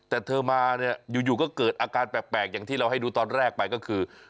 แต่เธอมาเนี่ยอยู่ก็เกิดอาการแปลกอย่างที่เราให้ดูตอนแรกไปก็คือ